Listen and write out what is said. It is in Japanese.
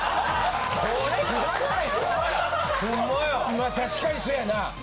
まあ確かにそやな。